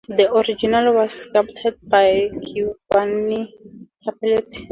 The original was sculpted by Giovanni Cappelletti.